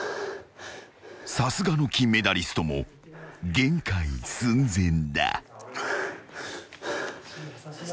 ［さすがの金メダリストも限界寸前だ］